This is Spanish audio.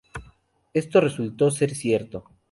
Esto resultó ser cierto.